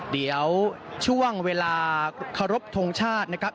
เดี๋ยวช่วงเวลาเคารพทงชาตินะครับ